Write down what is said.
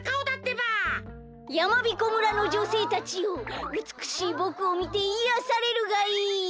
やまびこ村のじょせいたちようつくしいぼくをみていやされるがいい！